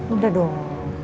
udah dong ya